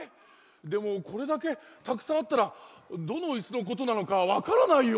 でもこれだけたくさんあったらどのイスのことなのかわからないよ。